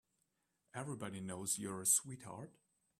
Everybody knows you're a sweetheart.